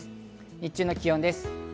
日中の気温です。